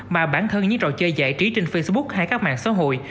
mà bản thân những trò chơi giải trí trên facebook hay các mạng xã hội